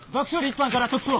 一班から特捜。